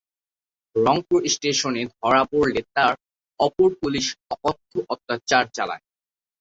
রংপুর স্টেশনে ধরা পড়লে তার ওপর পুলিশ অকথ্য অত্যাচার চালায়।